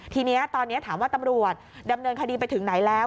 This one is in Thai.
ทีนี้ตอนนี้ถามว่าตำรวจดำเนินคดีไปถึงไหนแล้ว